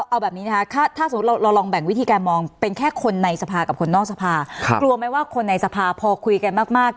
เอาแบบนี้นะคะถ้าสมมุติเราลองแบ่งวิธีการมองเป็นแค่คนในสภากับคนนอกสภากลัวไหมว่าคนในสภาพอคุยกันมาก